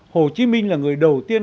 hồ chí minh là người đầu tiên